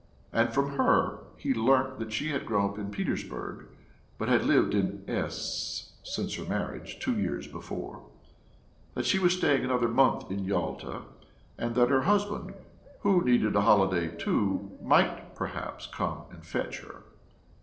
And from her he learnt that she had grown up in Petersburg, but had lived in S since her marriage two years before, that she was staying another month in Yalta, and that her husband, who needed a holiday too, might perhaps come and fetch her.